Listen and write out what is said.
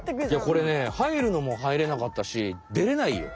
これね入るのも入れなかったしでれないよ。